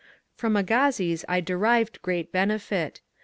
^ From Agassiz I derived great benefit.